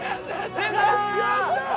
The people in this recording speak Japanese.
出た！